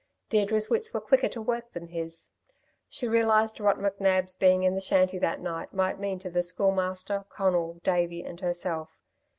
Deirdre's wits were quicker to work than his. She realised what McNab's being in the shanty that night might mean to the Schoolmaster, Conal, Davey and herself.